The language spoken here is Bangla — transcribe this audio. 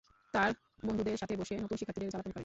তার বন্ধুদের সাথে বসে নতুন শিক্ষার্থীদের জালাতন করে।